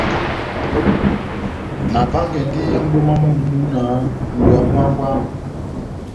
Navángɛndi mʼboma mɔ́mi mú múna nʼdowa mú hángwɛ wami.